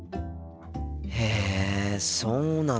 へえそうなんだ。